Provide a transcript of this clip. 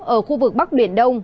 ở khu vực bắc điển đông